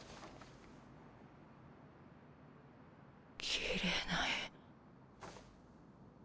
きれいな絵。